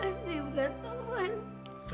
ini pasti bukan taufan